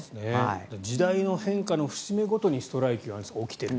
時代の変化の節目ごとにアンジュさん、ストライキが起きている。